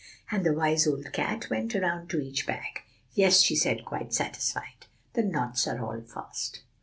And the wise old cat went around to each bag. 'Yes,' she said, quite satisfied; 'the knots are all fast.